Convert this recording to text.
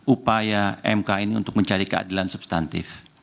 upaya mk ini untuk mencari keadilan substantif